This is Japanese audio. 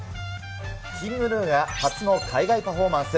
ＫｉｎｇＧｎｕが初の海外パフォーマンス。